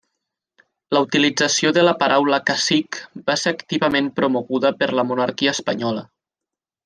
La utilització de la paraula cacic va ser activament promoguda per la monarquia espanyola.